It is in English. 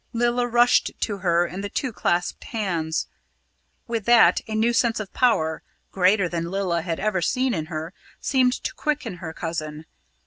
Lilla rushed to her, and the two clasped hands. With that, a new sense of power, greater than Lilla had ever seen in her, seemed to quicken her cousin.